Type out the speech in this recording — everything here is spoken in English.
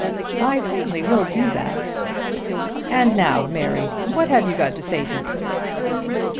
"I certainly will do that." "And now, Mary, what have you got to say to me?"